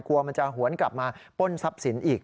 กลัวมันจะหวนกลับมาป้นทรัพย์สินอีก